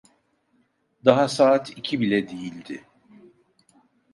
Daha saat iki bile değildi.